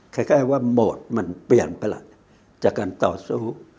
คล้ายว่าโหมดมันเปลี่ยนประหลัดจากการต่อสู้